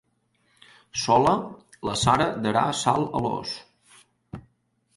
Sola, la Sara darà sal a l'ós.